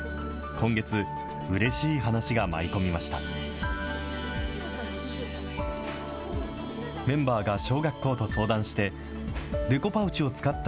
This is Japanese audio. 今月、うれしい話が舞い込みました。